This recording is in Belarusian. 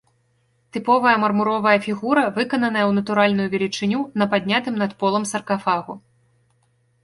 Тыповая мармуровая фігура, выкананая ў натуральную велічыню на паднятым над полам саркафагу.